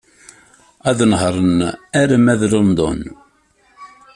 Ad nehṛen arma d London.